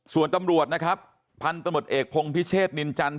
ส่วนตำรวจนะครับพันธุ์ตำรวจเอกพงพิเชษนินจันท